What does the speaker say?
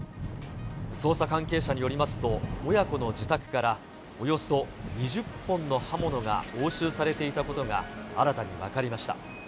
捜査関係者によりますと、親子の自宅から、およそ２０本の刃物が押収されていたことが新たに分かりました。